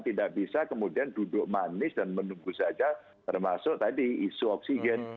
tidak bisa kemudian duduk manis dan menunggu saja termasuk tadi isu oksigen